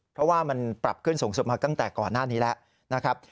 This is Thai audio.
เพราะว่ามันปรับขึ้นสูงสุดมาตั้งแต่ก่อนหน้านี้แล้วนะครับ